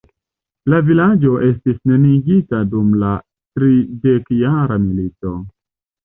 La vilaĝo estis neniigita dum la tridekjara milito.